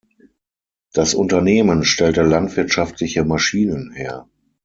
Das Unternehmen stellte landwirtschaftliche Maschinen her.